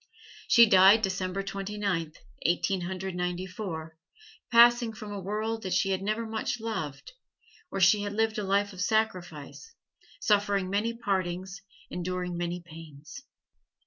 She died December Twenty ninth, Eighteen Hundred Ninety four passing from a world that she had never much loved, where she had lived a life of sacrifice, suffering many partings, enduring many pains.